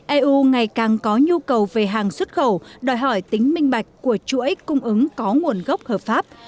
eu ngày càng có nhu cầu về hàng xuất khẩu đòi hỏi tính minh bạch của chuỗi cung ứng có nguồn gốc hợp pháp